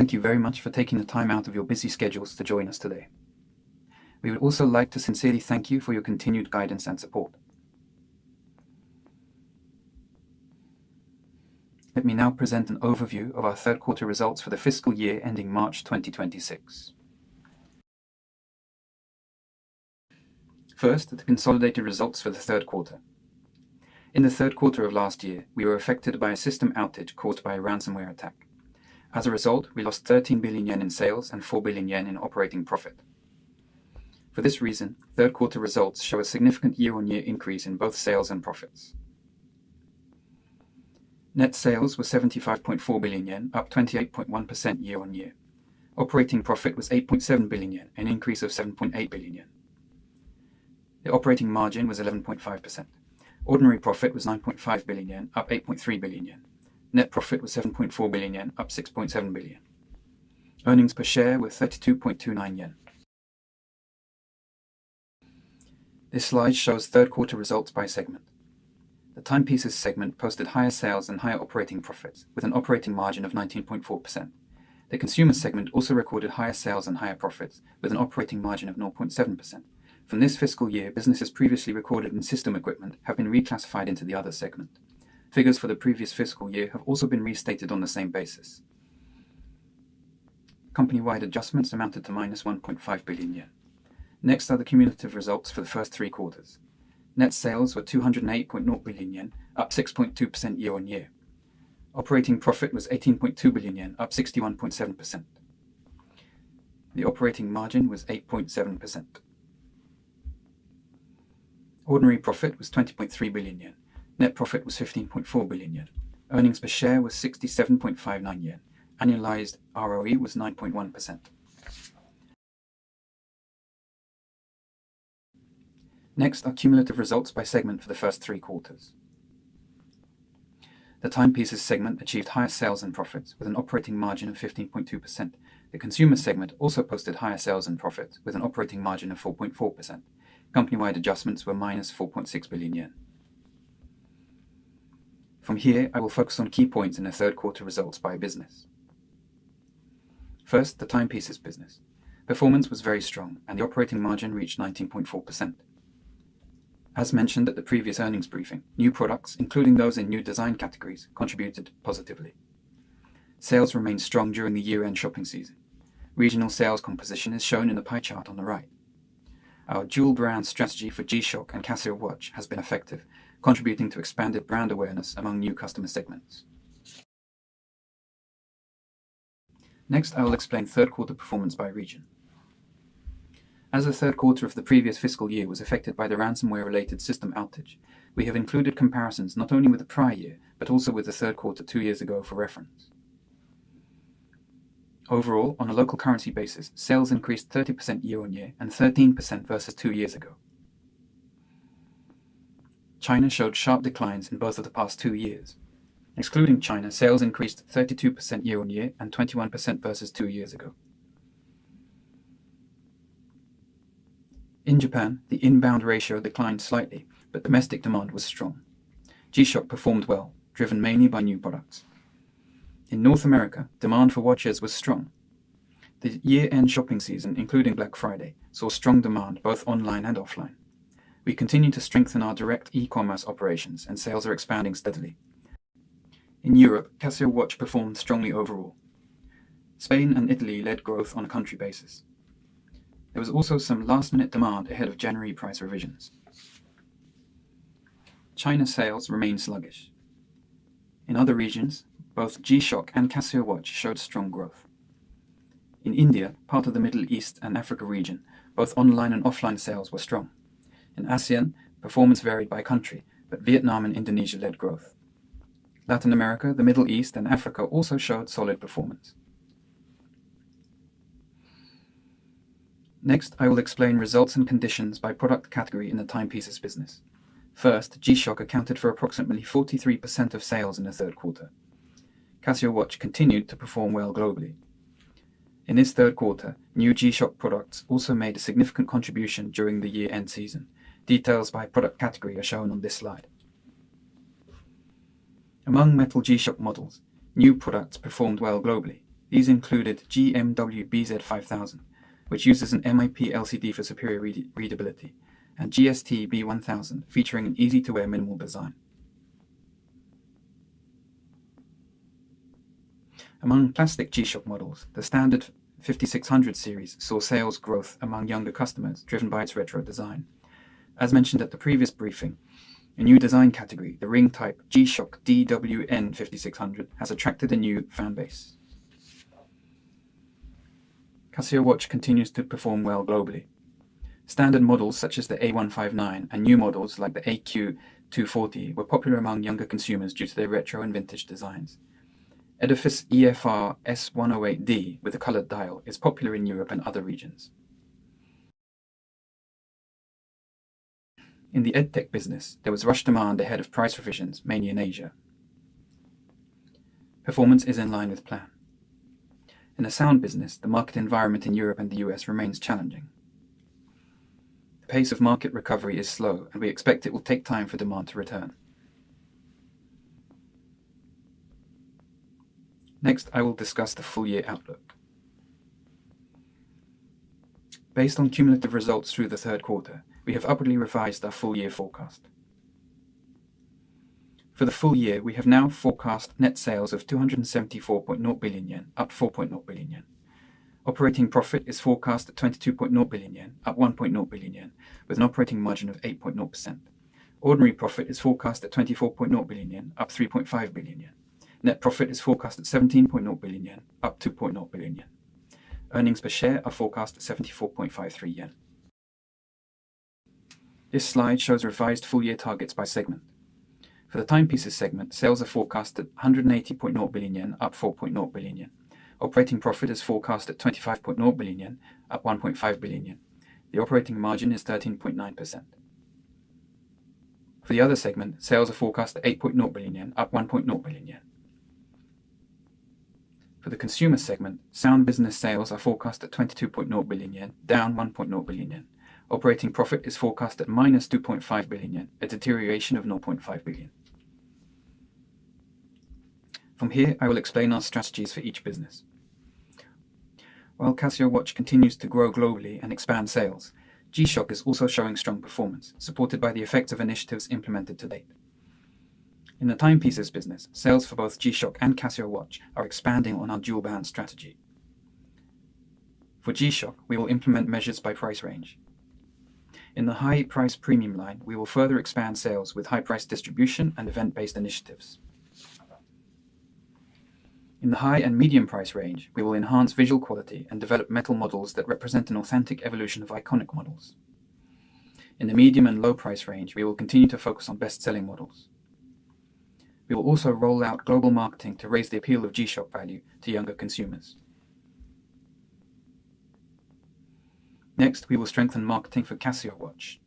Thank you very much for taking the time out of your busy schedules to join us today. We would also like to sincerely thank you for your continued guidance and support. Let me now present an overview of our third quarter results for the fiscal year ending March 2026. First, the consolidated results for the third quarter. In the third quarter of last year, we were affected by a system outage caused by a ransomware attack. As a result, we lost 13 billion yen in sales and 4 billion yen in operating profit. For this reason, third quarter results show a significant year-on-year increase in both sales and profits. Net sales were 75.4 billion yen, up 28.1% year-on-year. Operating profit was 8.7 billion yen, an increase of 7.8 billion yen. The operating margin was 11.5%. Ordinary profit was 9.5 billion yen, up 8.3 billion yen. Net profit was 7.4 billion yen, up 6.7 billion. Earnings per share were 32.29 yen. This slide shows third quarter results by segment. The Timepieces segment posted higher sales and higher operating profits, with an operating margin of 19.4%. The Consumer segment also recorded higher sales and higher profits, with an operating margin of 0.7%. From this fiscal year, businesses previously recorded in system equipment have been reclassified into the Other segment. Figures for the previous fiscal year have also been restated on the same basis. Company-wide adjustments amounted to -1.5 billion yen. Next are the cumulative results for the first three quarters. Net sales were 208.0 billion yen, up 6.2% year-on-year. Operating profit was 18.2 billion yen, up 61.7%. The operating margin was 8.7%. Ordinary profit was 20.3 billion yen. Net profit was 15.4 billion yen. Earnings per share was 67.59 yen. Annualized ROE was 9.1%. Next, our cumulative results by segment for the first three quarters. The Timepieces segment achieved higher sales and profits, with an operating margin of 15.2%. The Consumer segment also posted higher sales and profits, with an operating margin of 4.4%. Company-wide adjustments were -4.6 billion yen. From here, I will focus on key points in the third quarter results by business. First, the Timepieces business. Performance was very strong, and the operating margin reached 19.4%. As mentioned at the previous earnings briefing, new products, including those in new design categories, contributed positively. Sales remained strong during the year-end shopping season. Regional sales composition is shown in the pie chart on the right. Our dual-brand strategy for G-SHOCK and Casio Watch has been effective, contributing to expanded brand awareness among new customer segments. Next, I will explain third quarter performance by region. As the third quarter of the previous fiscal year was affected by the ransomware-related system outage, we have included comparisons not only with the prior year, but also with the third quarter two years ago for reference. Overall, on a local currency basis, sales increased 30% year-on-year and 13% versus two years ago. China showed sharp declines in both of the past two years. Excluding China, sales increased 32% year-on-year and 21% versus two years ago. In Japan, the inbound ratio declined slightly, but domestic demand was strong. G-SHOCK performed well, driven mainly by new products. In North America, demand for watches was strong. The year-end shopping season, including Black Friday, saw strong demand both online and offline. We continue to strengthen our direct e-commerce operations, and sales are expanding steadily. In Europe, Casio Watch performed strongly overall. Spain and Italy led growth on a country basis. There was also some last-minute demand ahead of January price revisions. China sales remained sluggish. In other regions, both G-SHOCK and Casio Watch showed strong growth. In India, part of the Middle East and Africa region, both online and offline sales were strong. In ASEAN, performance varied by country, but Vietnam and Indonesia led growth. Latin America, the Middle East, and Africa also showed solid performance. Next, I will explain results and conditions by product category in the Timepieces business. First, G-SHOCK accounted for approximately 43% of sales in the third quarter. Casio Watch continued to perform well globally. In this third quarter, new G-SHOCK products also made a significant contribution during the year-end season. Details by product category are shown on this slide. Among metal G-SHOCK models, new products performed well globally. These included GMW-B5000, which uses an MIP LCD for superior readability, and GST-B1000, featuring an easy-to-wear minimal design. Among plastic G-SHOCK models, the standard 5600 series saw sales growth among younger customers, driven by its retro design. As mentioned at the previous briefing, a new design category, the ring-type G-SHOCK DW-5600, has attracted a new fan base. Casio Watch continues to perform well globally. Standard models, such as the A159 and new models like the AQ-240, were popular among younger consumers due to their retro and vintage designs. EDIFICE EFR-S108D, with a colored dial, is popular in Europe and other regions. In the EdTech business, there was rushed demand ahead of price revisions, mainly in Asia. Performance is in line with plan. In the Sound business, the market environment in Europe and the US remains challenging. The pace of market recovery is slow, and we expect it will take time for demand to return. Next, I will discuss the full-year outlook. Based on cumulative results through the third quarter, we have upwardly revised our full-year forecast. For the full year, we have now forecast net sales of 274.0 billion yen, up 4.0 billion yen. Operating profit is forecast at 22.0 billion yen, up 1.0 billion yen, with an operating margin of 8.0%. Ordinary profit is forecast at 24.0 billion yen, up 3.5 billion yen. Net profit is forecast at 17.0 billion yen, up 2.0 billion yen. Earnings per share are forecast at 74.53 yen. This slide shows revised full-year targets by segment. For the Timepieces segment, sales are forecast at 180.0 billion yen, up 4.0 billion yen. Operating profit is forecast at 25.0 billion yen, up 1.5 billion yen. The operating margin is 13.9%. For the Other segment, sales are forecast at 8.0 billion yen, up 1.0 billion yen. For the Consumer segment, Sound Business sales are forecast at 22.0 billion yen, down 1.0 billion yen. Operating profit is forecast at minus 2.5 billion yen, a deterioration of 0.5 billion. From here, I will explain our strategies for each business. While Casio Watch continues to grow globally and expand sales, G-SHOCK is also showing strong performance, supported by the effects of initiatives implemented to date. In the Timepieces business, sales for both G-SHOCK and Casio Watch are expanding on our dual-brand strategy. For G-SHOCK, we will implement measures by price range. In the high-price premium line, we will further expand sales with high-price distribution and event-based initiatives. In the high and medium price range, we will enhance visual quality and develop metal models that represent an authentic evolution of iconic models. In the medium and low price range, we will continue to focus on best-selling models. We will also roll out global marketing to raise the appeal of G-SHOCK value to younger consumers. Next, we will strengthen marketing for Casio Watch.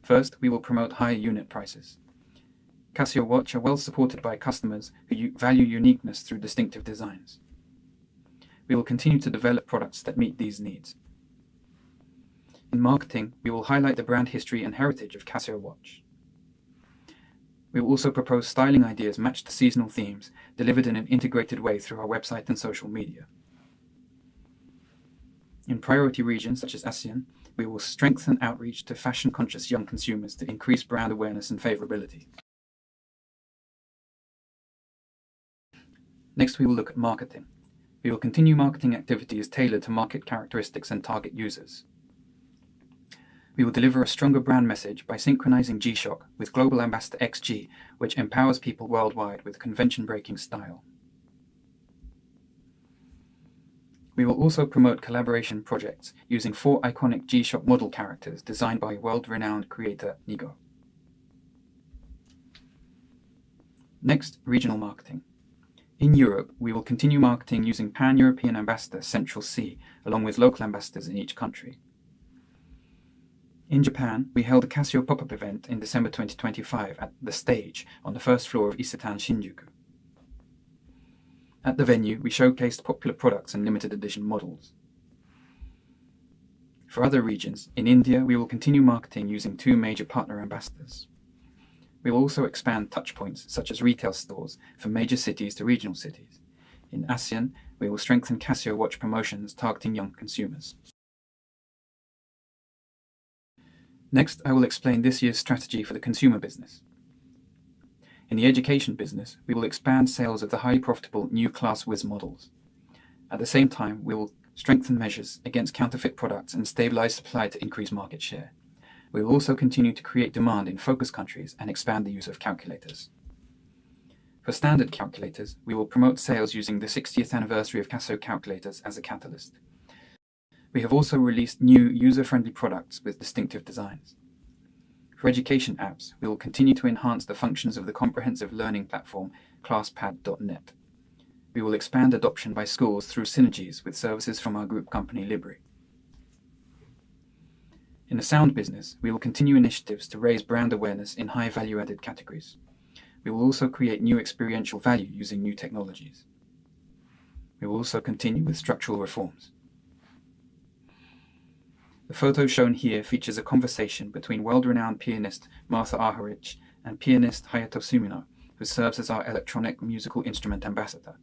First, we will promote higher unit prices. Casio Watch are well-supported by customers who value uniqueness through distinctive designs. We will continue to develop products that meet these needs. In marketing, we will highlight the brand history and heritage of Casio Watch. We will also propose styling ideas matched to seasonal themes, delivered in an integrated way through our website and social media. In priority regions such as ASEAN, we will strengthen outreach to fashion-conscious young consumers to increase brand awareness and favorability. Next, we will look at marketing. We will continue marketing activities tailored to market characteristics and target users. We will deliver a stronger brand message by synchronizing G-SHOCK with global ambassador XG, which empowers people worldwide with convention-breaking style. We will also promote collaboration projects using four iconic G-SHOCK model characters designed by world-renowned creator NIGO. Next, regional marketing. In Europe, we will continue marketing using Pan-European ambassador Central Cee, along with local ambassadors in each country. In Japan, we held a Casio pop-up event in December 2025 at The Stage on the first floor of Isetan Shinjuku. At the venue, we showcased popular products and limited edition models. For other regions, in India, we will continue marketing using two major partner ambassadors. We will also expand touchpoints, such as retail stores, from major cities to regional cities. In ASEAN, we will strengthen Casio watch promotions targeting young consumers. Next, I will explain this year's strategy for the Consumer business. In the Education business, we will expand sales of the highly profitable new ClassWiz models. At the same time, we will strengthen measures against counterfeit products and stabilize supply to increase market share. We will also continue to create demand in focus countries and expand the use of calculators. For standard calculators, we will promote sales using the sixtieth anniversary of Casio calculators as a catalyst. We have also released new user-friendly products with distinctive designs. For education apps, we will continue to enhance the functions of the comprehensive learning platform, ClassPad.net. We will expand adoption by schools through synergies with services from our group company, Libry. In the Sound business, we will continue initiatives to raise brand awareness in high value-added categories. We will also create new experiential value using new technologies. We will also continue with structural reforms. The photo shown here features a conversation between world-renowned pianist, Martha Argerich, and pianist, Hayato Sumino, who serves as our Electronic Musical Instrument Ambassador.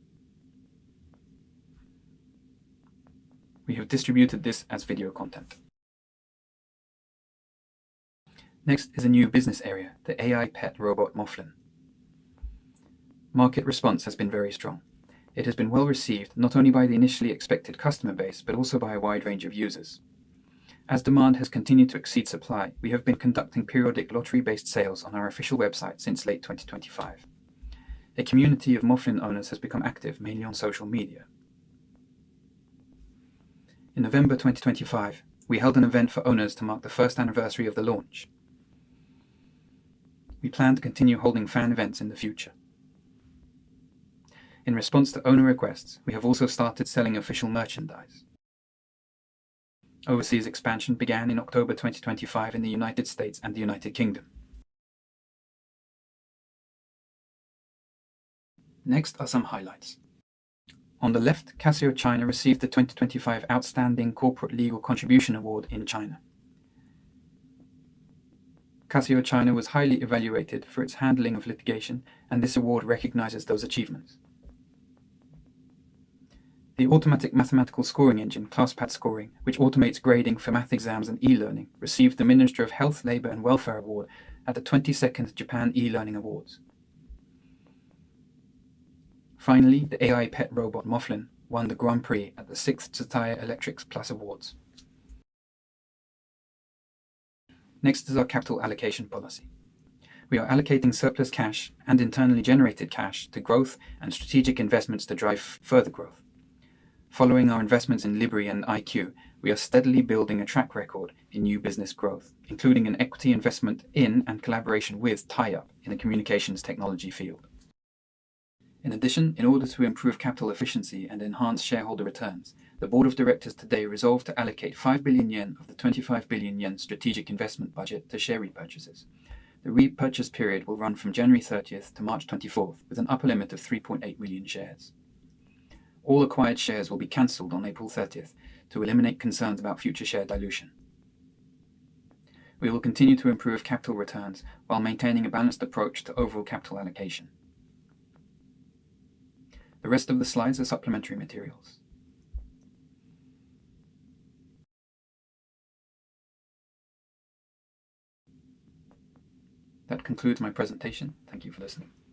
We have distributed this as video content. Next is a new business area, the AI Pet Robot, MOFLIN. Market response has been very strong. It has been well-received, not only by the initially expected customer base, but also by a wide range of users. As demand has continued to exceed supply, we have been conducting periodic lottery-based sales on our official website since late 2025. A community of MOFLIN owners has become active, mainly on Social media. In November 2025, we held an event for owners to mark the first anniversary of the launch. We plan to continue holding fan events in the future. In response to owner requests, we have also started selling Official Merchandise. Overseas expansion began in October 2025 in the United States and the United Kingdom. Next are some highlights. On the left, Casio China received the 2025 Outstanding Corporate Legal Contribution Award in China. Casio China was highly evaluated for its handling of litigation, and this award recognizes those achievements. The Automatic Mathematical Scoring Engine, ClassPad Scoring, which Automates Grading for Math exams and e-learning, received the Ministry of Health, Labor, and Welfare Award at the 22nd Japan eLearning Awards. Finally, the AI pet robot, MOFLIN, won the Grand Prix at the 6th Tsutaya Electrics Plus Awards. Next is our capital allocation policy. We are allocating surplus cash and internally generated cash to growth and strategic investments to drive further growth. Following our investments in Libry and I-Q, we are steadily building a track record in new business growth, including an equity investment in, and collaboration with TieUps in the communications technology field. In addition, in order to improve capital efficiency and enhance shareholder returns, the board of directors today resolved to allocate 5 billion yen of the 25 billion yen strategic investment budget to share repurchases. The repurchase period will run from January thirtieth to March twenty-fourth, with an upper limit of 3.8 million shares. All acquired shares will be canceled on April thirtieth to eliminate concerns about future share dilution. We will continue to improve capital returns while maintaining a balanced approach to overall capital allocation. The rest of the slides are supplementary materials. That concludes my presentation. Thank you for listening.